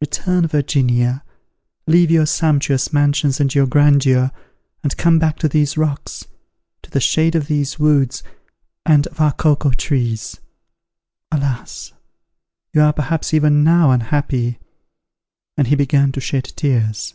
Return, Virginia! leave your sumptuous mansions and your grandeur, and come back to these rocks, to the shade of these woods and of our cocoa trees. Alas! you are perhaps even now unhappy!" and he began to shed tears.